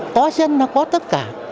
có dân nó có tất cả